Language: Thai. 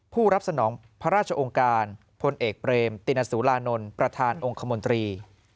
ผู้รับสนองพระราชองค์การพลเอกเบรมตินสุรานนท์ประธานองค์คมนตรี